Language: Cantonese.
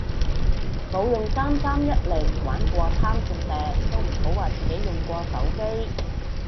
冇用三三一零玩過貪食蛇都唔好話自己用過手機